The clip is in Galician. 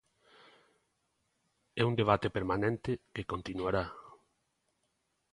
É un debate permanente, que continuará.